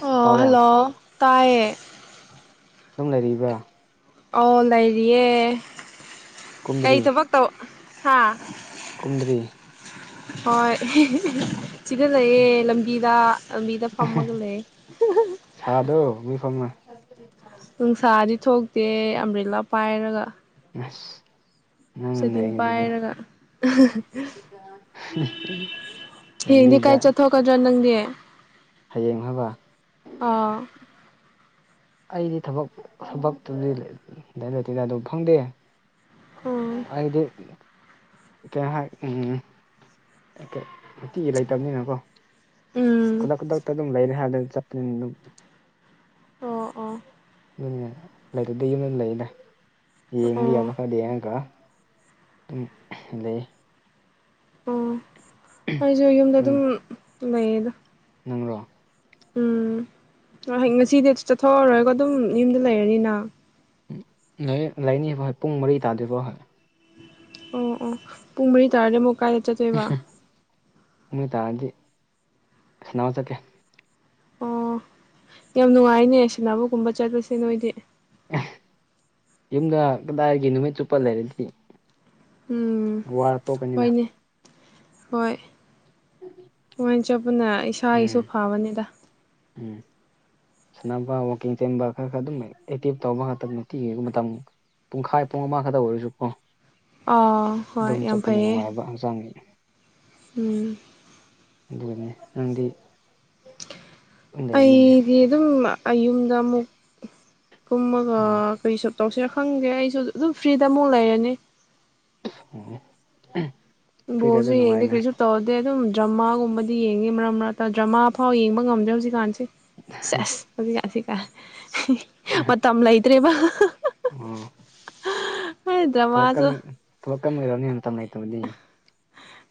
ꯑꯣ ꯇꯥꯕ ꯍꯜꯂꯣ ꯇꯥꯏꯌꯦ ꯑꯗꯨꯝ ꯂꯩꯔꯤꯕ ꯑꯣ ꯂꯩꯔꯤꯌꯦ ꯀꯩ ꯀꯨꯝꯗ꯭ꯔꯤ ꯊꯕꯛ ꯇꯧ ꯍꯥ ꯀꯨꯝꯗ꯭ꯔꯤ ꯍꯣꯏ ꯁꯤꯗ ꯂꯩꯌꯦꯦ ꯂꯝꯕꯤꯗ ꯂꯝꯕꯤꯗ ꯐꯝꯃꯒ ꯂꯩ ꯁꯥꯗꯣ ꯃꯤꯐꯝꯅ ꯅꯨꯡꯁꯥꯗꯤ ꯊꯣꯛꯇꯦ ꯑꯝꯕ꯭ꯔꯤꯂꯥ ꯄꯥꯏꯔꯒ ꯑꯁ ꯅꯪꯅ ꯁꯇꯤꯟ ꯅꯩꯔꯤꯗꯨꯗꯤ ꯄꯥꯏꯔꯒ ꯂꯝꯕꯤ ꯍꯌꯦꯡꯗꯤ ꯀꯥꯏ ꯆꯠꯊꯣꯛꯀꯗ꯭ꯔꯣ ꯅꯪꯗꯤ ꯍꯌꯦꯡꯕ ꯑꯥ ꯑꯩꯗꯤ ꯊꯕꯛ ꯊꯕꯛꯇꯨꯗꯤ ꯂꯩꯇꯦꯗ ꯑꯗꯨ ꯐꯪꯗꯦ ꯎꯝ ꯑꯩꯗꯤ ꯍꯥꯛ ꯎꯝ ꯅꯨꯡꯇꯤꯒꯤ ꯂꯩꯇꯕꯅꯤꯅꯀꯣ ꯎꯝ ꯈꯨꯗꯛ ꯈꯨꯗꯛꯇ ꯑꯗꯨꯝ ꯂꯩꯔꯦ ꯍꯥꯏ ꯆꯠꯄꯅꯤꯅ ꯑꯗꯨꯝ ꯑꯣ ꯑꯣ ꯑꯗꯨꯅꯤ ꯂꯩꯇꯗ ꯌꯨꯝꯗ ꯂꯩꯗ ꯌꯦꯡꯕ ꯑꯣ ꯌꯥꯕ [unintelligible] ꯑꯣ ꯑꯩꯁꯨ ꯌꯨꯝꯗ ꯎꯝ ꯑꯗꯨꯝ ꯂꯩꯌꯦꯗ ꯅꯪꯔꯣ ꯎꯝ ꯍ ꯉꯁꯤꯗꯤ ꯆꯠꯊꯣꯛꯑꯔꯣꯏꯒꯣ ꯑꯗꯨꯝ ꯌꯨꯝꯗ ꯂꯩꯔꯅꯤꯅ ꯂꯥꯏꯅꯤꯕ ꯍꯣꯏ ꯄꯨꯡ ꯃꯔꯤ ꯇꯥꯗꯣꯏꯔꯤꯕꯕꯣ ꯍꯣꯏ ꯑꯣ ꯑꯣ ꯄꯨꯡ ꯃꯔꯤ ꯇꯥꯔꯗꯤ ꯑꯃꯨꯛ ꯀꯥꯏꯗ ꯆꯠꯇꯣꯏꯕ ꯅꯣꯏ ꯇꯥꯔꯗꯤꯅꯥꯎ ꯆꯠꯀꯦ ꯑꯣ ꯌꯥꯝ ꯅꯨꯡꯉꯥꯏꯅꯦ ꯁꯅꯕꯒꯨꯝꯕ ꯆꯠꯄꯁꯦ ꯅꯣꯏꯗꯤ ꯌꯨꯝꯗ ꯀꯗꯥꯏꯒꯤ ꯅꯨꯃꯤꯠ ꯆꯨꯞꯄ ꯂꯩꯔꯗꯤ ꯎꯝ ꯋꯥꯔ ꯇꯣꯛꯀꯅꯤꯗ ꯍꯣꯏꯅꯦ ꯍꯣꯏ ꯆꯞ ꯑꯗꯨꯅ ꯏꯁꯥꯒꯤꯁꯨ ꯎꯝ ꯐꯕꯅꯤꯗ ꯎꯝ ꯁꯥꯟꯅꯕ ꯋꯥꯋꯥꯛꯀꯤꯡ ꯆꯦꯟꯕ ꯈꯔ ꯈꯔ ꯑꯗꯨꯝ ꯑꯦꯛꯇꯤꯞ ꯇꯧꯕ ꯉꯥꯛꯇꯠꯇꯤ ꯃꯇꯝ ꯄꯨꯡꯈꯥꯏ ꯄꯨꯡ ꯑꯃꯈꯛꯇ ꯑꯣꯏꯔꯁꯨꯀꯣ ꯑꯥ ꯍꯣꯏ ꯑꯗꯨꯝ ꯌꯥꯝ ꯆꯠꯄꯅꯤ ꯐꯩꯌꯦ ꯅꯨꯡꯉꯥꯏꯕ ꯍꯛꯆꯥꯡꯒꯤ ꯎꯝ ꯑꯗꯨꯅꯦ ꯅꯪꯗꯤ ꯑꯗꯨꯝ ꯂꯩꯔꯝꯅꯤꯅꯦ ꯑꯩꯗꯤ ꯑꯗꯨꯝ ꯌꯨꯝꯗ ꯑꯃꯨꯛ ꯀꯨꯝꯃꯒ ꯎꯝ ꯀꯩꯁꯨ ꯇꯧꯁꯦ ꯈꯪꯒꯦ ꯑꯩꯁꯨ ꯑꯗꯨꯝ ꯐ꯭ꯔꯤꯗ ꯑꯃꯨꯛ ꯂꯩꯔꯅꯤ ꯎꯝ ꯕꯣꯜ ꯁꯨ ꯌꯦꯡꯗꯦ ꯀꯔꯤꯁꯨ ꯇꯧꯔꯗꯦ ꯑꯗꯨꯝ ꯗ꯭ꯔꯃꯥꯒꯨꯝꯕꯗꯤ ꯌꯦꯡꯉꯦ ꯃꯔꯛ ꯃꯔꯛꯇ ꯗ꯭ꯔꯃꯥ ꯐꯥꯎ ꯌꯦꯡꯕ ꯉꯝꯗꯦ ꯖꯤꯛꯀꯥꯟꯁꯦ ꯁꯦꯁ ꯍꯧꯖꯤꯛ ꯀꯁꯤ ꯀꯥꯏ ꯃꯇꯝ ꯂꯩꯇ꯭ꯔꯦꯕ ꯎꯝ ꯊꯣꯛꯀꯝ ꯗ꯭ꯔꯃꯥꯁꯨ ꯊꯣꯛꯀꯝ ꯑꯣꯏꯔꯕꯅꯤ ꯃꯥꯇꯝ ꯂꯩꯇꯕꯗꯤ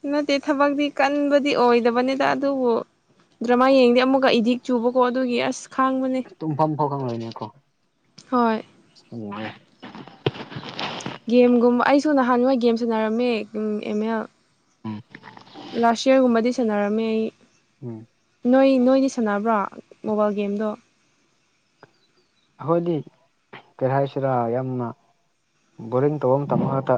ꯅꯠꯇꯦ ꯊꯕꯛꯇꯤ ꯀꯟꯕꯗꯤ ꯑꯣꯏꯗꯕꯅꯤꯗ ꯑꯗꯨꯕꯨ ꯗ꯭ꯔꯃꯥ ꯌꯦꯡꯗꯦ ꯑꯃꯨꯛꯀ ꯑꯦꯗꯤꯛ ꯆꯨꯕꯀꯣ ꯑꯗꯨꯒꯤ ꯑꯁ ꯈꯥꯡꯕꯅꯦ ꯇꯨꯡꯐꯝ ꯊꯣꯐꯥꯎ ꯈꯣꯏꯅꯦꯀꯣ ꯍꯣꯏ ꯎ ꯒꯦꯝꯒꯨꯝꯕ ꯑꯩꯁꯨ ꯅꯍꯥꯟꯋꯥꯏ ꯒꯦꯝ ꯁꯥꯟꯅꯔꯝꯃꯦ ꯑꯦꯝ ꯑꯦꯜ ꯂꯥꯁ ꯌꯔꯒꯨꯝꯕꯗꯤ ꯁꯥꯟꯅꯔꯝꯃꯦ ꯑꯩ ꯎꯝ ꯅꯣꯏ ꯅꯣꯏꯗꯤ ꯁꯥꯟꯅꯕ꯭ꯔꯣ ꯃꯣꯕꯥꯏꯜ ꯒꯦꯝꯗꯣ ꯑꯩꯈꯣꯏꯗꯤ ꯀꯩ ꯍꯥꯏꯁꯤꯔꯥ ꯌꯥꯝꯅ ꯕꯣꯔꯤꯡ ꯇꯧꯕ ꯃꯥꯇꯝ ꯉꯥꯛꯇ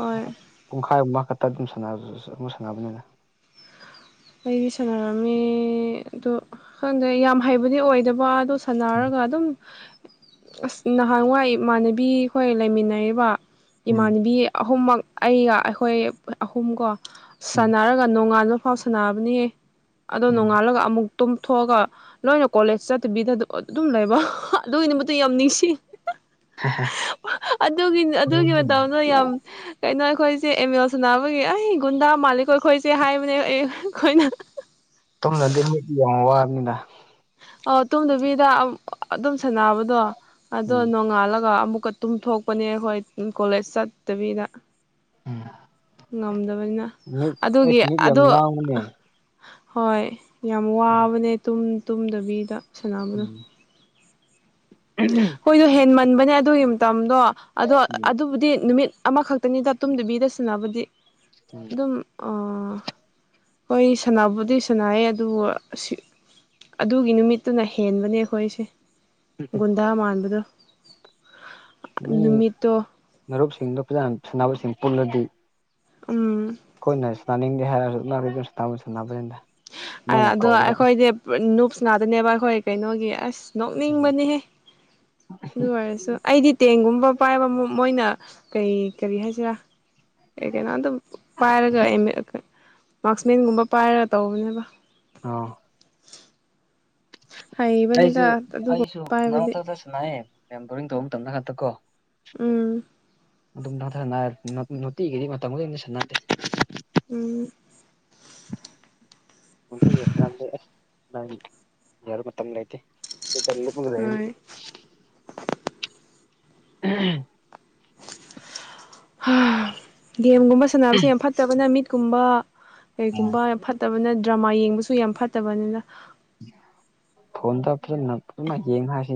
ꯍꯣꯏ ꯄꯨꯡꯈꯥꯏ ꯑꯨꯝ ꯈꯛꯇ ꯑꯗꯨꯝ ꯁꯥꯟ ꯑꯃꯨꯛ ꯁꯥꯟꯅꯕꯅꯤꯅ ꯑꯩꯗꯤ ꯁꯥꯟꯅꯔꯝꯃꯦ ꯑꯗꯣ ꯈꯪꯗꯦ ꯌꯥꯝ ꯍꯩꯕꯗꯤ ꯑꯣꯏꯗꯕ ꯑꯗꯨ ꯁꯥꯟꯅꯔꯒ ꯑꯗꯨꯝ ꯑꯁ ꯅꯍꯥꯟꯋꯥꯏ ꯏꯃꯥꯟꯅꯕꯤꯈꯣꯏ ꯂꯩꯃꯤꯟꯅꯔꯤꯕ ꯎꯝ ꯏꯃꯥꯟꯅꯕꯤ ꯑꯍꯨꯝꯃꯛ ꯑꯩꯒ ꯑꯩꯈꯣꯏ ꯑꯍꯨꯝ ꯀꯣ ꯎꯝ ꯁꯥꯟꯅꯔꯒ ꯅꯣꯡꯉꯥꯥꯟꯕ ꯐꯥꯎ ꯁꯥꯟꯅꯕꯅꯦꯌꯦ ꯑꯗꯣ ꯎꯝ ꯅꯣꯡꯉꯥꯜꯂꯒ ꯑꯃꯨꯛ ꯇꯨꯝꯊꯣꯛꯑꯒ ꯂꯣꯏꯅ ꯀꯣꯂꯦꯖ ꯆꯠꯇꯕꯤꯗ ꯑꯗꯨꯝ ꯂꯩꯕ ꯑꯗꯨꯒꯤ ꯗꯨꯃꯛꯇ ꯌꯥꯝ ꯅꯤꯡꯁꯤ ꯍꯦꯍꯦ ꯑꯗꯨꯒꯤ ꯑꯗꯨꯒꯤ ꯃꯇꯝꯗꯣ ꯌꯥꯝ ꯀꯩꯅꯣ ꯑꯩꯈꯣꯏꯁꯦ ꯑꯦꯝꯃꯦꯜ ꯁꯅꯥꯕꯒꯤ ꯑꯩ ꯒꯨꯟꯗꯥ ꯃꯥꯜꯂꯤꯛꯀꯣ ꯑꯩꯈꯣꯏꯁꯦ ꯍꯥꯏꯕꯅꯦ ꯑꯦ ꯑꯩꯈꯣꯏꯅ ꯇꯣꯝꯅꯗꯤ ꯋꯥꯔꯅꯤꯗ ꯑ ꯇꯨꯝꯗꯕꯤꯗ ꯑꯗꯨꯝ ꯁꯥꯟꯅꯕꯗꯣ ꯑꯗꯣ ꯎꯝ ꯅꯣꯡꯉꯥꯜꯂꯒ ꯑꯃꯨꯛꯀ ꯇꯨꯝꯊꯣꯛꯄꯅꯦ ꯑꯩꯈꯣꯏ ꯀꯣꯂꯦꯖ ꯆꯠꯇꯕꯤꯗ ꯎꯝ ꯉꯝꯗꯕꯅꯤꯅ ꯃꯤꯠ ꯑꯗꯨꯒꯤ ꯑꯩꯁ ꯃꯤꯠ ꯌꯥꯝ ꯑꯗꯣ ꯉꯥꯡꯕꯅꯦ ꯍꯣꯏ ꯌꯥꯝ ꯎꯝ ꯋꯥꯕꯅꯦ ꯇꯨꯝ ꯇꯨꯝꯗꯕꯤꯗ ꯁꯥꯟꯅꯕꯗꯣ ꯎꯝ ꯑꯩꯈꯣꯏꯗꯣ ꯍꯦꯟ ꯃꯟꯕꯅꯦ ꯑꯗꯨꯒꯤ ꯃꯇꯝꯗꯣ ꯑꯗꯣ ꯑꯗꯨꯕꯨꯗꯤ ꯅꯨꯃꯤꯠ ꯑꯃꯈꯛꯇꯅꯤꯗ ꯇꯨꯝꯗꯕꯤꯗ ꯁꯟꯅꯕꯨꯗꯤ ꯑꯗꯨꯝ ꯍꯣꯏ ꯁꯥꯟꯕꯨꯗꯤ ꯁꯥꯟꯅꯩ ꯑꯗꯨꯕꯨ ꯑꯗꯨꯒꯤ ꯅꯨꯃꯤꯠꯇꯨꯅ ꯍꯦꯟꯕꯅꯦ ꯑꯩꯈꯣꯏꯁꯦ ꯎꯝ ꯒꯨꯟꯗꯥ ꯃꯥꯟꯕꯗ ꯃꯤ ꯃꯔꯨꯞꯁꯤꯡꯗꯣ ꯐꯖꯥ ꯁꯥꯟꯅꯕꯁꯤꯡ ꯄꯨꯜꯂꯗꯤ ꯎꯝ ꯑꯩꯈꯣꯏꯅ ꯇꯅꯥꯅꯤꯡꯗꯦ ꯍꯥꯏꯔꯒꯁꯨ ꯇ ꯁꯅꯕꯅꯤꯗ ꯑꯗꯣ ꯑꯩꯈꯣꯏꯗꯤ ꯅꯨꯨꯞꯁ ꯉꯥꯛꯇꯥꯅꯦꯕ ꯑꯩꯈꯣꯏ ꯀꯩꯅꯣꯒꯤ ꯑꯁ ꯅꯣꯛꯅꯤꯡꯕꯅꯤꯍꯦ ꯑꯗꯨ ꯑꯣꯏꯔꯁꯨ ꯑꯩꯗꯤ ꯇꯦꯡꯒꯨꯝꯕ ꯄꯥꯏꯕ ꯑꯃꯨ ꯃꯣꯏꯅ ꯀꯔꯤ ꯀꯔꯤ ꯍꯥꯏꯁꯤꯔꯥ ꯑꯦ ꯀꯩꯅꯣꯗ ꯄꯥꯏꯔꯒ ꯑꯦꯝ ꯑꯦ ꯃꯥꯔꯛꯁꯃꯦꯟꯒꯨꯝꯕ ꯄꯥꯏꯔꯒ ꯇꯧꯕꯅꯦꯕ ꯑ ꯍꯩꯕꯅꯤꯗ ꯑꯩꯁꯨ ꯑꯗꯨꯒꯨꯝꯕ ꯑꯩꯁꯨ ꯄꯥꯏꯕꯗꯤ ꯃꯔꯛꯊꯛꯇꯁꯨ ꯏꯑꯦ ꯕꯣꯔꯤꯡ ꯇꯧꯕ ꯃꯇꯝꯗ ꯉꯛꯇ ꯀꯣ ꯎꯝ ꯤꯒꯤꯦ ꯎꯝ ꯎ ꯔ ꯃ ꯃꯇꯝ ꯂꯩ ꯏ ꯂꯩꯗꯤ ꯎ ꯍꯣꯏ ꯒꯦꯝꯒꯨꯝꯕ ꯁꯥꯟꯅꯕꯁꯦ ꯌꯥꯝ ꯐꯠꯇꯕꯅꯦ ꯃꯤꯠꯀꯨꯝꯕ ꯎꯝ ꯀꯩꯒꯨꯝꯕ ꯐꯠ ꯐꯠꯇꯕꯅ ꯗ꯭ꯔꯃꯥ ꯌꯦꯡꯕꯁꯨ ꯌꯥꯝ ꯐꯠꯇꯕꯅꯤꯅ ꯐꯣꯟꯗ ꯐꯖ ꯅ ꯄꯨꯅ ꯌꯦꯡꯉꯁꯤ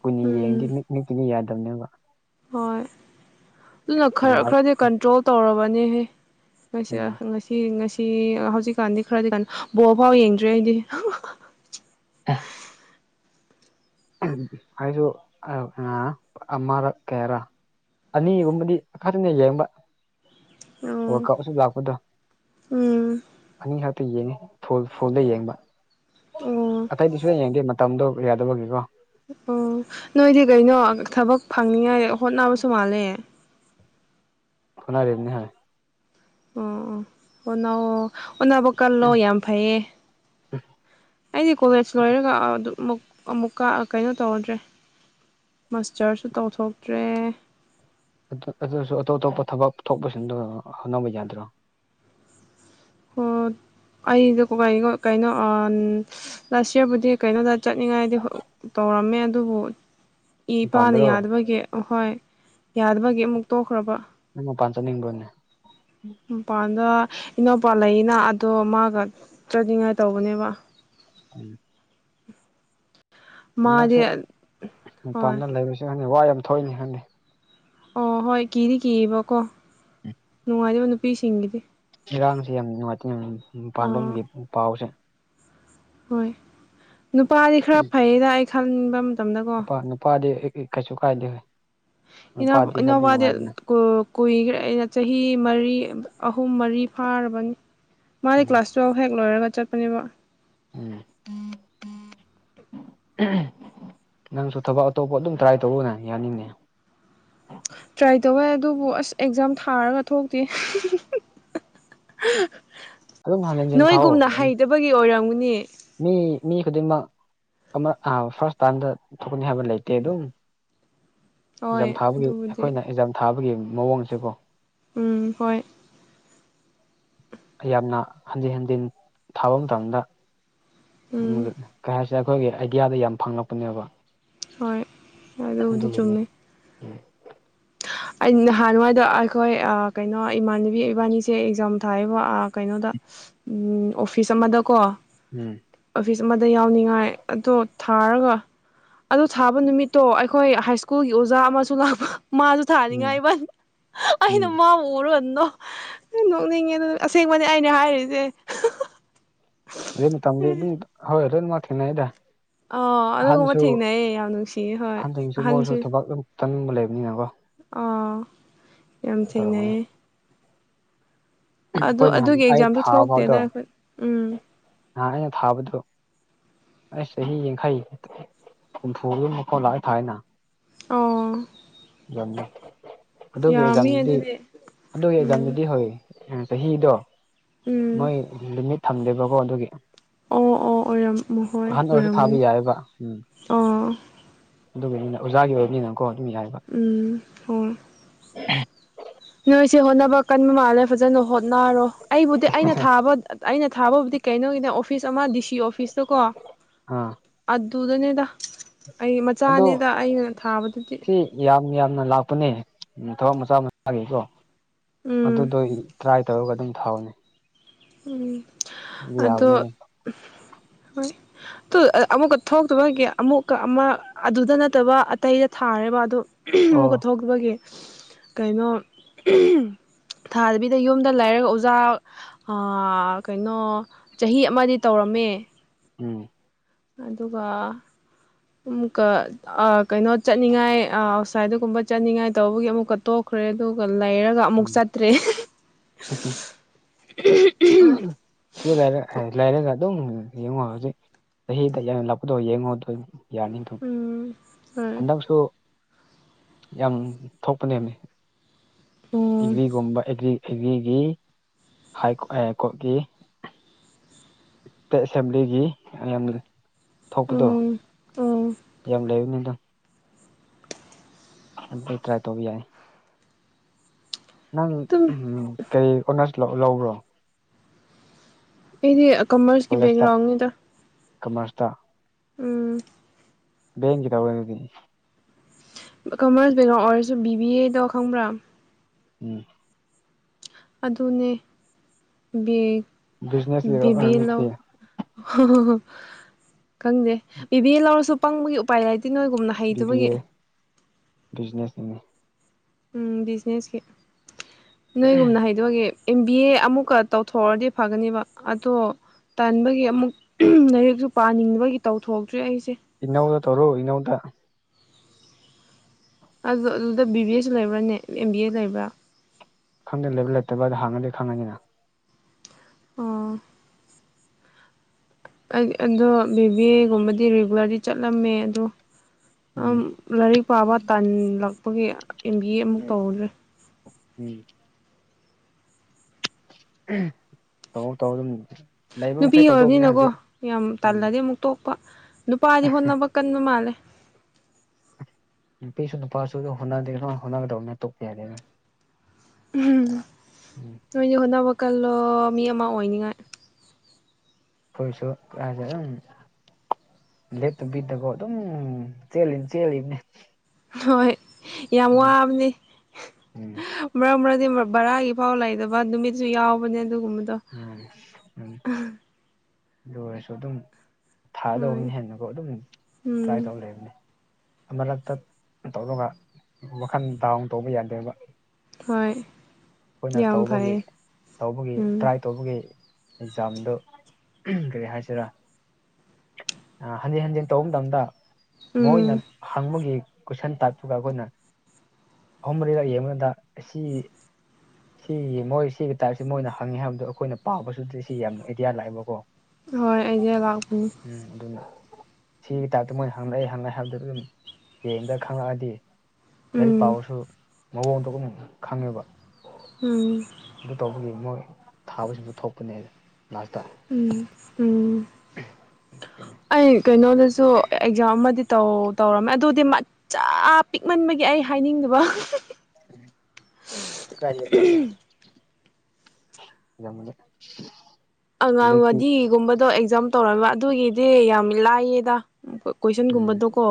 ꯀꯨꯏꯅꯤ ꯎꯝ ꯌꯦꯡꯗꯦ ꯃꯤꯠ ꯅꯨꯄꯤꯤꯅꯤ ꯌꯥꯗꯕꯅꯦꯕ ꯍꯣꯏ ꯑꯗꯨꯅ ꯈꯔ ꯂꯥꯏꯠ ꯈꯔꯗꯤ ꯀꯟꯇ꯭ꯔꯣꯜ ꯇꯧꯔꯕꯅꯤ ꯍꯦ ꯉꯁꯤ ꯎꯝ ꯉꯁꯤ ꯉꯁꯤ ꯍꯧꯖꯤꯛꯀꯥꯟꯗꯤ ꯈꯔꯗꯤ ꯀꯥꯏꯅ ꯕꯣꯔꯐꯥꯎ ꯌꯦꯡꯗ꯭ꯔꯤ ꯑꯩꯗꯤ ꯍ ꯑꯩꯁꯨ ꯑ ꯑꯃꯔ ꯀꯦꯔ ꯑꯅꯤꯒꯨꯝꯕꯗꯤ ꯈꯊꯅ ꯌꯦꯡꯕ ꯑꯣ ꯎꯝ ꯀꯁꯨ ꯂꯥꯛꯄꯗ ꯎꯝ ꯑꯅꯤ ꯈꯥꯛꯇ ꯌꯦꯡꯅꯤ ꯐ ꯐꯜꯗ ꯌꯦꯡꯕ ꯑꯣ ꯑꯇꯩꯗꯤ ꯁꯨꯡ ꯌꯦꯡꯗꯦ ꯃꯇꯝꯗꯣ ꯌꯥꯗꯕꯒꯤꯀꯣ ꯑꯣ ꯅꯣꯏꯗꯤ ꯀꯩꯅꯣ ꯊꯕꯛ ꯐꯪꯅꯤꯡꯉꯥꯏ ꯍꯣꯠꯅꯕꯁꯨ ꯃꯥꯜꯂꯦ ꯁꯅꯥꯔꯅꯤ ꯍꯣꯏ ꯑꯣ ꯑꯣ ꯑꯣꯎ ꯑꯣꯟꯅꯕꯨ ꯀꯜꯂꯣ ꯌꯥꯝ ꯐꯩꯌꯦ ꯑꯩꯗꯤ ꯀꯣꯂꯦꯖ ꯂꯣꯏꯔꯒ ꯑꯗꯨꯝ ꯑꯃꯨꯛꯀ ꯀꯩꯅꯣ ꯇꯧꯔꯗ꯭ꯔꯦ ꯃꯁꯇꯔꯁꯨ ꯇꯧꯊꯣꯛꯇ꯭ꯔꯦ ꯑꯗꯨꯁꯨ ꯑꯇꯣꯞ ꯑꯇꯣꯞꯄ ꯊꯕꯛ ꯊꯣꯛꯄꯁꯤꯡꯗ ꯍꯣꯠꯅꯕ ꯌꯥꯗ꯭ꯔꯣ ꯍ ꯑꯩꯁꯦ ꯀꯀꯥꯏꯔꯤ ꯉ ꯀꯩꯅꯣ ꯂꯥꯁ ꯏꯔꯕꯨꯗꯤ ꯀꯩꯅꯣꯗ ꯆꯠꯅꯤꯡꯉꯥꯏꯗꯤ ꯇꯧꯔꯝꯃꯦ ꯑꯗꯨꯕꯨ ꯏ ꯏꯄꯥꯅ ꯃꯄꯥꯟꯗꯔꯣ ꯌꯥꯗꯕꯒꯤ ꯑꯍꯣꯏ ꯌꯥꯗꯕꯒꯤ ꯑꯃꯨꯛ ꯇꯣꯛꯈ꯭ꯔꯕ ꯅꯪ ꯎ ꯄꯥꯟꯟꯅꯤꯡ ꯅꯤꯡꯤꯡꯣꯣꯟꯦ ꯃꯄꯥꯟꯗ ꯏꯅꯧꯄꯥ ꯂꯩꯌꯦꯅ ꯑꯗꯣ ꯃꯥꯒ ꯆꯠꯅꯤꯡꯉꯥꯏ ꯇꯧꯕꯅꯦꯕ ꯎꯝ ꯃꯥꯗꯤ ꯍꯟꯗꯛꯁꯦ ꯍꯣꯏ ꯃꯄꯥꯟꯗ ꯂꯩꯕꯁꯨꯦ ꯈꯪꯉꯦ ꯋꯥ ꯌꯥꯝ ꯊꯣꯛꯏꯅꯤ ꯈꯪꯉꯦ ꯑꯣ ꯍꯣꯏ ꯀꯤꯗꯤ ꯀꯤꯌꯦꯕꯀꯣ ꯅꯨꯡꯉꯥꯏꯔꯤꯕ ꯅꯨꯄꯤꯁꯤꯡꯒꯤꯗꯤ ꯏꯔꯥꯡꯁꯦ ꯌꯥꯝ ꯅꯨꯡꯉꯥꯏꯇ ꯑꯥ ꯃꯄꯥꯟꯂꯣꯝꯒꯤ ꯄꯥꯎꯁꯦ ꯍꯣꯏ ꯅꯨꯄꯥꯗꯤ ꯈꯔ ꯐꯩꯌꯦꯗ ꯑꯩ ꯈꯟꯕ ꯃꯇꯝꯗꯀꯣ ꯅꯨꯄꯥ ꯅꯨꯄꯥꯗꯤ ꯀꯩꯁꯨ ꯀꯥꯏꯗꯦ ꯍ ꯏꯅꯥꯎ ꯏꯅꯥꯎꯅꯨꯄꯥꯗꯤ ꯀꯨꯏꯈ꯭ꯔꯦ ꯑꯩꯅ ꯆꯍꯤ ꯃꯔꯤ ꯑꯍꯨꯝ ꯃꯔꯤ ꯐꯥꯔꯕꯅꯤ ꯃꯥꯗꯤ ꯎꯝ ꯀ꯭ꯂꯥꯁ ꯇꯨꯋꯦꯜꯐ ꯍꯦꯛ ꯂꯣꯏꯔꯒ ꯆꯠꯄꯅꯦꯕ ꯎꯝ ꯅꯪꯁꯨ ꯊꯕꯛ ꯑꯇꯣꯞꯄ ꯑꯗꯨꯝ ꯇ꯭ꯔꯥꯏ ꯇꯧꯔꫭꯅ ꯌꯥꯅꯤꯡꯉꯦ ꯇ꯭ꯔꯥꯏ ꯇꯧꯋꯦ ꯑꯗꯨꯕꯨ ꯑꯁ ꯑꯦꯛꯖꯥꯝ ꯊꯥꯔꯒ ꯊꯣꯛꯇꯦ ꯑꯗꯨꯝ ꯍꯟ ꯍꯟꯖꯤꯟ ꯊꯥꯎꯑꯣ ꯅꯣꯏꯒꯨꯝꯅ ꯍꯩꯇꯕꯒꯤ ꯑꯣꯏꯔꯝꯒꯅꯤ ꯃꯤ ꯃꯤ ꯈꯨꯗꯤꯡꯃꯛ ꯐꯥꯔꯁ ꯇꯥꯏꯝꯗꯥ ꯊꯣꯛꯀꯅꯤ ꯍꯥꯏꯕ ꯂꯩꯇꯦ ꯑꯗꯨꯝ ꯍꯣꯏ ꯑꯦꯖꯝ ꯊꯥꯕꯒꯤ ꯑꯗꯨꯕꯨꯗꯤ ꯑꯩꯈꯣꯏꯅ ꯑꯦꯖꯝ ꯊꯥꯕꯒꯤ ꯃꯑꯣꯡꯁꯦꯀꫭ ꯎꯝ ꯍꯣꯏ ꯌꯥꯝꯅ ꯍꯟꯖꯤꯟ ꯍꯟꯖꯤꯟ ꯊꯥꯕ ꯃꯇꯝꯗ ꯎꯝ ꯁꯤ ꯑꯩꯈꯣꯏꯒꯤ ꯑꯥꯏꯗꯤꯌꯥꯗ ꯌꯥꯝ ꯐꯪꯂꯛꯄꯅꯦꯕ ꯍꯣꯏ ꯑꯗꯨꯕꯨꯗꯤ ꯑꯗꯨꯒꯤꯅꯤ ꯆꯨꯝꯃꯦ ꯎ ꯑꯩ ꯅꯍꯥꯟ ꯋꯥꯏꯗ ꯑꯩꯈꯣꯏ ꯀꯩꯅꯣ ꯏꯃꯥꯟꯅꯕꯤ ꯏꯕꯥꯅꯤꯁꯦ ꯑꯦꯛꯖꯥꯝ ꯊꯥꯏꯌꯦꯕ ꯑꯥ ꯀꯩꯅꯣꯗ ꯎꯝ ꯑꯣꯐꯤꯁ ꯑꯃꯗꯀꯣ ꯎꯝ ꯑꯣꯐꯤꯁ ꯑꯃꯗ ꯌꯥꯎꯅꯤꯡꯉꯥꯏ ꯑꯗꯣ ꯊꯥꯔꯒ ꯑꯗꯨ ꯊꯥꯕ ꯅꯨꯃꯤꯠꯇꯣ ꯑꯩꯈꯣꯏ ꯍꯥꯏ ꯁ꯭ꯀꯨꯜꯒꯤ ꯑꯣꯖꯥ ꯑꯃꯁꯨ ꯂꯥꯛꯄ ꯃꯥꯁꯨ ꯎꯝ ꯊꯥꯅꯤꯡꯉꯥꯏꯕ [unintelligible] ꯎꯝ ꯑꯩꯅ ꯃꯥꯕꯨ ꯎꯔꯒꯥ ꯅꯣꯛ ꯅꫭꯛꯅꯤꯡꯉꯦ ꯑꯁꯦꯡꯕꯅꯦ ꯑꯩꯅ ꯍꯥꯏꯔꯤꯁꯦ ꯑꯗꯨ ꯇꯝꯕꯤ ꯑꯗꯨ ꯍꯣꯏ ꯑꯗꯨꯟ [unintelligible] ꯊꯦꯡꯅꯩꯗꯥ ꯑ ꯑꯗꯨꯒꯨꯝꯕ ꯊꯦꯡꯅꯩꯌꯦ ꯌꯥꯝ ꯅꯨꯡꯁꯤꯌꯦ ꯍꯣꯏ ꯑꯍꯟꯁꯨ ꯆꯥꯅꯤꯡꯕ ꯂꯩꯕꯅꯤꯅꯀꯣ ꯑꯥ ꯌꯥꯝ ꯇꯧꯔꯝꯒꯅꯤ ꯊꯦꯡꯅꯩꯌꯦ ꯑꯗꯨ ꯑꯩꯈꯣꯏ ꯅꯍꯥꯟ ꯑꯗꯨꯒꯤ ꯑꯩ ꯑꯦꯛꯖꯥꯝꯗꯣ ꯊꯥꯕ ꯊꯣꯛꯇꯦꯗ ꯐꯥꯎꯗꯣ ꯑꯩꯈꯣꯏ ꯎꯝ ꯅꯍꯥꯟ ꯑꯩꯅ ꯊꯥꯕꯗꯣ ꯑꯩꯁ ꯆꯍꯤ ꯌꯥꯡꯈꯩ ꯍꯨꯝꯐꯨꯒꯤ ꯃꯈꯥꯎ ꯂꯥꯛꯑꯏ ꯊꯥꯑꯦꯅ ꯑꯣ [unintelligible] ꯑꯗꯨꯒꯤ ꯌꯥꯝꯃꯤ ꯑꯦꯛꯖꯥꯝꯗꯤ ꯑꯗꯨꯗꯤ ꯑꯗꯨꯒꯤ ꯎꯝ ꯑꯦꯛꯖꯥꯝꯗꯨꯗꯤ ꯍꯣꯏ ꯆꯍꯤꯗꯣ ꯎꯝ ꯃꫭꯏ ꯂꯤꯃꯤꯠ ꯊꯝꯗꯦꯕꯀꯣ ꯑꯗꯨꯒꯤ ꯑꯣ ꯑꯣ ꯑꯣꯏꯔꯝꯃꯣ ꯍꯣꯏ ꯑꯍꯟ ꯑꯣꯏꯔꯁꯨ ꯊꯥꯕ ꯑꯣꯏꯔꯝꯒꯅꯤ ꯌꯥꯏꯑꯕ ꯎꯝ ꯑꯣ ꯑꯗꯨꯒꯤꯅꯤꯅꯦ ꯑꯣꯖꯥꯒꯤ ꯑꯣꯏꯕꯅꯤꯅꯀꯣ ꯑꯗꯨ‌ꯝ ꯌꯥꯏꯌꯦꯕ ꯎꯝ ꯍꫭꯏ [inaudible] ꯅꯣꯏꯁꯦ ꯍꯣꯠꯅꯕ ꯀꯟꯕ ꯃꯥꯜꯂꯦ ꯐꯖꯅ ꯍꯣꯠꯅꯔꯣ ꯑꯩꯕꯨꯗꯤ ꯑꯩꯅ ꯊꯥꯕ ꯑꯩꯅ ꯊꯥꯕꯕꯨꯗꯤ ꯀꯩꯅꯣꯒꯤꯅꯦ ꯑꯣꯐꯤꯁ ꯑꯃ ꯗꯤ ꯁꯤ ꯑꯣꯐꯤꯁꯇꫭ ꯀꯣ ꯑꯥ ꯑꯗꯨꯗꯅꯦꯗ ꯑꯩ ꯑꯗꯣ ꯃꯆꯥꯅꯤꯗ ꯑꯩꯅ ꯊꯥꯕꯗꯨꯗꯤ ꯁꯤ ꯌꯥꯝ ꯌꯥꯝꯅ ꯂꯥꯛꯄꯅꯦ ꯊꯕꯛ ꯃꯆꯥ ꯃꯆꯥꯒꯤꯀꯣ ꯎꯝ ꯑꯗꯨꯗꯣ ꯇ꯭ꯔꯥꯏ ꯇꯧꯔꯒ ꯑꯗꯨꯝ ꯊꯥꯎꯅꯦ ꯎꯝ ꯑꯗꯣ ꯌꯥꯕꯅꯤꯅꯦ ꯍꯣꯏ ꯑꯃꯨꯛꯀ ꯊꯣꯛꯇꯕ ꯑꯃꯨꯛꯀ ꯑꯃ ꯑꯗꯨꯗ ꯅꯠꯇꯕ ꯑꯇꯩꯗ ꯊꯥꯔꯦꯕ ꯑꯗꯨ ꯑꯣ ꯑꯃꯨꯛꯀꯥ ꯊꫭꯛ ꯕꯒꯤ ꯀꯩꯅꯣ ꯊꯥꯗꯕꯤꯗ ꯌꯨꯝꯗ ꯂꯩꯔꯒ ꯑꯣꯖꯥ ꯑꯥ ꯀꯩꯅꯣ ꯆꯍꯤ ꯑꯃꯗꯤ ꯇꯧꯔꯝꯃꯦ ꯎꯝ ꯑꯗꯨꯒ ꯑꯃꯨꯛꯀ ꯑꯥ ꯀꯩꯅꯣ ꯆꯠꯅꯤꯡꯉꯥꯏ ꯑꯥꯎꯠꯁꯥꯏꯗꯒꯨꯝꯕ ꯆꯠꯅꯤꯡꯉꯥꯏ ꯇꯧꯕꯒꯤ ꯑꯃꯨꯛꯀ ꯇꯣꯛꯈ꯭ꯔꯦ ꯑꯗꯨꯒ ꯂꯩꯔꯥ ꯑꯃꯨꯛ ꯎꯝ ꯆꯠꯇ꯭ꯔꯦ ꯁꯤꯗ ꯂꯩꯔ ꯂꯩꯔꯒ ꯑꯗꯨꯝ ꯌꯦꯡꯉꯣ ꯍꯧꯖꯤꯛ ꯆꯍꯤꯗ ꯌꯥꯝ ꯂꯥꯛꯄꯗꯣ ꯌꯦꯉꫭꯗ ꯌꯥꯔꯅꯤ ꯗꯨꯝ ꯎꯝ ꯍꯣꯏ ꯍꯟꯗꯛꯁꯨ ꯌꯥꯝ ꯊꯣꯛꯄ ꯅꯦꯝꯃꯦ ꯎꯝ ꯑꯦꯒ꯭ꯔꯤꯒꯨꯝꯕ ꯑꯦꯒ꯭ꯔꯤ ꯑꯦꯒ꯭ꯔꯤꯒꯤ [unintelligible] ꯀꯣꯔꯠꯀꯤ ꯑꯦꯁꯦꯝꯕ꯭ꯂꯤꯒꯤ ꯌꯥꯝ ꯊꯣꯛꯄꯗꯣ ꯎꯝ ꯎꯝ ꯌꯥꯝ ꯂꯩꯌꯨꯅꯦꯗꯪ ꯑꯗꯨ ꯇ꯭ꯔꯥꯏ ꯇꯕꯤ ꯌꯥꯏ ꯅꯪ ꯑꯗꯨꯝ ꯀꯩ ꯑꯣꯅꯔꯁ ꯂꯧꯕ꯭ꯔꯣ ꯑꯩꯗꯤ ꯀꯃꯔꯁꯀꯤ ꯀꯣꯂꯦꯖꯇ ꯕꯦꯛꯒ꯭ꯔꯥꯎꯟꯅꯤꯗ ꯀꯃꯔꯁꯇ ꯎꯝ [unintelligible] ꯀꯃꯔꯁ ꯕꯦꯛꯒ꯭ꯔꯥꯎꯟ ꯑꯣꯏꯔꯁꯨ ꯕꯤ ꯕꯤ ꯑꯦꯗꯣ ꯈꯪꯕ꯭ꯔꯥ ꯎꯝ ꯑꯗꯨꯅꯦ ꯕꯦ ꯕꯤꯖꯤꯅꯦꯁꯀꯤ ꯕꯤꯕꯤ ꯌꯦ ꯂꯧ ꯑꯣꯏꯔꯝꯅꯤꯁꯦ [unintelligible] ꯈꯪꯗꯦ ꯕꯤꯕꯦ ꯂꯧꯔꯁꯨ ꯄꯪꯕꯒꯤ ꯎꯄꯥꯏ ꯂꯩꯇꯦ ꯅꯣꯏꯒꯨꯝꯅ ꯕꯤꯕꯤ ꯍꯩꯇꯕꯒꯤ ꯑꯦ ꯕꯤꯖꯤꯅꯦꯁꯀꯤꯅꯤ ꯎꯝ ꯕꯤꯖꯤꯅꯦꯁꯀꯤ ꯅꯣꯏꯒꯨꯝꯅ ꯍꯥꯏ ꯑꯗꯨꯒꯤ ꯑꯦꯝ ꯕꯤ ꯑꯦ ꯑꯃꯨꯛꯀ ꯇꯧꯊꯣꯛꯑꯗꯤ ꯐꯒꯅꯦꯕ ꯑꯗꯣ ꯇꯟꯕꯒꯤ ꯑꯃꯨꯛ ꯂꯥꯏꯔꯤꯛꯁꯨ ꯄꯥꯅꯤꯡꯕꯒꯤ ꯇꯧꯊꯣꯛꯇ꯭ꯔꯤ ꯑꯩꯁꯦ ꯏꯒꯅꯧꯗ ꯇꯧꯔꯣ ꯏꯒꯅꯧꯗ ꯑꯗꯨ ꯑꯗꯨꯗ ꯕꯤ ꯕꯤ ꯑꯦꯁꯁꯨ ꯂꯩꯕ꯭ꯔꯥꯅꯦ ꯑꯦꯝ ꯕꯤ ꯑꯦ ꯂꯩꯕ꯭ꯔꯥ ꯈꯪꯗꯦ ꯂꯩꯕ ꯂꯩꯇꯕꯗ ꯍꯥꯡꯉꯗꯤ ꯈꯪꯉꯅꯤꯅ ꯑꯣꯥ ꯑꯩ ꯑꯗꯣ ꯕꯤꯕꯤ ꯑꯦꯒꯨꯝꯕꯗꯤ ꯔꯤꯒꯨꯂꯔꯂꯤ ꯆꯠꯂꯝꯃꯦ ꯑꯗꯣ ꯑꯝ ꯎꯝ ꯂꯥꯏꯔꯤꯛ ꯄꯥꯕ ꯇꯥꯟꯜꯂꯛꯄꯒꯤ ꯑꯦꯝ ꯕꯤ ꯑꯦ ꯑꯃꯨꯛ ꯇꯧꯗ꯭ꯔꯦ ꯎꯝ ꯇꯧ ꯇꯧ ꯑꯗꯨꯝ ꯂꯩꯕ ꯅꯨꯄꯤ ꯃꯈꯩ ꯇꯧꯗꯧꯕꯅꯦ ꯑꯣꯏꯕꯅꯤꯅꯀꯣ ꯍꯧꯖꯤꯛ ꯌꯥꯝ ꯎꯝ ꯇꯜꯂꯗꯤ ꯑꯃꯨꯛ ꯇꯣꯛꯄ ꯅꯨꯄꯥꯗꯤ ꯍꯣꯠꯅꯕ ꯀꯟꯕ ꯃꯥꯜꯂꯦ ꯅꯨꯄꯤꯁꯨ ꯅꯨꯄꯥꯁꯨ ꯑꯗꯨ ꯍꯣꯠꯅꯗꯦ ꯑꯗꯃꯥꯏ ꯍꯣꯠꯅꯒꯗꯕꯅꯤꯅ ꯇꯣꯛꯄ ꯌꯥꯗꯦꯅ [inaudible] ꯅꯣꯏꯗꯤ ꯍꯣꯠꯅꯕ ꯀꯜꯂꯣ ꯃꯤ ꯑꯃ ꯑꯣꯏꯅꯤꯡꯉꯥꯏ ꯈꯣꯏꯁꯨ ꯀꯥꯏꯗ ꯗꯨꯝ ꯂꯦꯇꯕꯤꯗꯀꫭ ꯑꯗꯨꯝ ꯆꯦꯜꯂꯤ ꯆꯦꯜꯂꯤꯝꯅꯦ ꯍꯣꯏ ꯌꯥꯝ ꯋꯥꯕꯅꯤ ꯎꯝ ꯃꯔꯛ ꯃꯔꯛꯗꯤ ꯕꯔꯥꯒꯤꯐꯥꯎ ꯂꯩꯗꯕ ꯅꯨꯃꯤꯠꯁꯨ ꯌꯥꯎꯕꯅꯦ ꯑꯗꯨꯒꯨꯝꯕꯗꯣ ꯎꯝ ꯎꯝ ꯑꯗꯨ ꯑꯣꯏꯔꯁꯨ ꯑꯗꯨꯝ ꯎꯝ ꯊꯥꯒꯗꯧꯕꯅ ꯍꯦꯟꯅꯀꯣ ꯑꯗꯨꯝ ꯇ꯭ꯔꯥꯏ ꯎꯝ ꯇꯧ ꯂꯩꯕꯅꯦ ꯑꯃꯂꯛꯇ ꯇꯧꯔꯒ ꯋꯥꯈꯜ ꯗꯥꯎꯟ ꯇꯧꯕ ꯌꯥꯗꯦꯕ ꯍꯣꯏ ꯑꯩꯈꯣꯏꯅ ꯌꯥꯝ ꯇꯧꯕꯒꯤ ꯐꯩꯌꯦ ꯇꯧꯕꯒꯤ ꯎꯝ ꯇ꯭ꯔꯥꯏ ꯇꯧꯕꯒꯤ ꯑꯦꯛꯖꯥꯝꯗꯣ ꯀꯔꯤ ꯍꯥꯏꯁꯤꯔꯥ ꯍꯟꯖꯤꯟ ꯍꯟꯖꯤꯟ ꯇꯧꯕ ꯃꯇꯝꯗ ꯃꯣꯏꯅ ꯎꯝ ꯍꯪꯕꯒꯤ ꯀꯣꯏꯁꯟ ꯇꯥꯏꯞꯇꯨꯒ ꯑꯩꯈꯣꯏꯅ ꯑꯍꯨꯝ ꯃꯔꯤꯔꯛ ꯌꯦꯡꯉꯗ ꯑꯁꯤ ꯁꯤꯒꯤ ꯃꯣꯏ ꯁꯤꯒꯤ ꯇꯥꯏꯞꯁꯤ ꯃꯣꯏꯅ ꯍꯪꯉꯦ ꯍꯥꯏꯕꯗꯣ ꯑꯩꯈꯣꯏꯅ ꯄꯥꯕꯁꯨꯗꯤ ꯁꯤ ꯌꯥꯝꯅ ꯑꯦꯗꯤꯌꯥ ꯂꯥꯛꯑꯦꯕꯀꯣ ꯍꯣꯏ ꯑꯥꯏꯗꯤꯌꯥ ꯂꯥꯛꯄꯅꯤ ꯎꯝ ꯑꯗꯨꯅ ꯁꯤꯒꯤ ꯇꯥꯏꯞꯇ ꯃꯣꯏ ꯍꯪꯉꯛꯑꯦ ꯍꯪꯉꯛꯑꯦ ꯍꯥꯏꯕꯗꯨ ꯑꯗꯨꯝ ꯌꯦꯡꯕꯥꯗ ꯈꯪꯉꯛꯑꯗꯤ ꯂꯥꯏꯔꯤꯛ ꯎꯝ ꯄꯥꯕꯁꯨ ꯃꯑꯣꯡꯗꯨꯝ ꯈꯪꯉꯦꯕ ꯎꯝ ꯑꯗꯨ ꯇꯧꯕꯒꯤ ꯃꯣꯏ ꯊꯥꯕꯁꯤꯡꯗ ꯊꯣꯛꯄꯅꯦ ꯂꯥꯁꯇ ꯎꯝ ꯎꯝ ꯑꯩ ꯀꯩꯅꯣꯗꯁꯨ ꯑꯦꯛꯖꯥꯝ ꯑꯃꯗꯤꯧ ꯇꯧꯔꯝꯃꯦ ꯑꯗꯨꯗꯤ ꯆ ꯄꯤꯛꯃꯟꯕꯒꯤ ꯑꯩ ꯍꯥꯏꯅꯤꯡꯗꯕ ꯁ ꯀꯥꯏ ꯇꯗ [unintelligible] ꯑꯉꯥꯡꯋꯥꯗꯤꯒꯨꯝꯕꯗꯣ ꯑꯦꯛꯖꯥꯝ ꯇꯧꯔꯃꯦ ꯑꯗꯨꯒꯤꯗꯤ ꯌꯥꯝ ꯂꯥꯏꯌꯦꯗ ꯎꯝ ꯀꯣꯏꯁꯟꯒꯨꯝꯕꯗꯣꯀꯣ